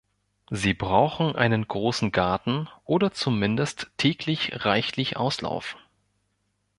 Sie brauchen einen großen Garten oder zumindest täglich reichlich Auslauf.